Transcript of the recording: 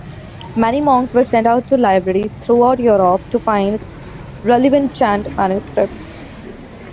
Many monks were sent out to libraries throughout Europe to find relevant Chant manuscripts.